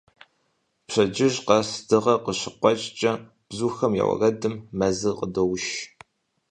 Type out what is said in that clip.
Пщэддыжь къэс, дыгъэр къыщыкъуэкӀкӀэ, бзухэм я уэрэдым мэзыр къыдоуш.